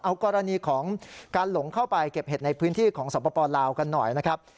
เอากรณีของการหลงเข้าไปเก็บเห็ดในพื้นที่ของสปลาวกันหน่อยนะครับ